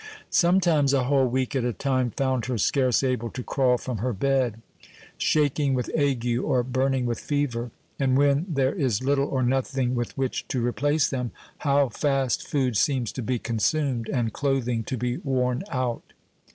Sometimes a whole week at a time found her scarce able to crawl from her bed, shaking with ague, or burning with fever; and when there is little or nothing with which to replace them, how fast food seems to be consumed, and clothing to be worn out!